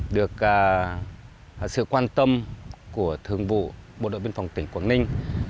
được sự quan tâm của thường vụ bộ đội biên phòng tỉnh quảng ninh